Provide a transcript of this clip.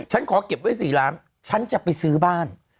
ฉันขอเก็บไว้๔ล้านฉันจะไปซื้อบ้าน